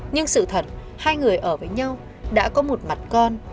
nhưng sự thật hai người ở với nhau đã có một mặt con